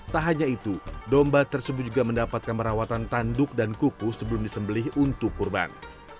tak hanya itu domba tersebut juga mendapatkan perawatan tanduk dan kuku sebelum disembelih untuk kurban